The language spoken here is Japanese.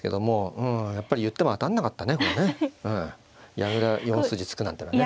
矢倉４筋突くなんてのはね。